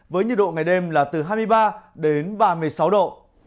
với nhiệt độ ngày đêm là từ hai mươi ba đến ba mươi sáu độ